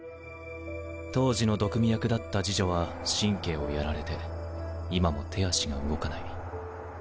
当時の毒見役だった侍女は神経をやられて今も手足が動かない。